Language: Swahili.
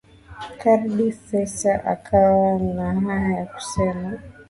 Khardi Fessa akawa na haya ya kusema